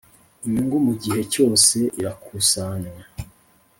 Inyungu mu gihe cyose irakusanywa .